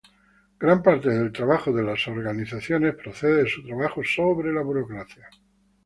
Gran parte del trabajo de las organizaciones procede de su trabajo sobre la burocracia.